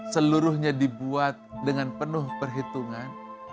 seluruhnya dibuat dengan penuh perhitungan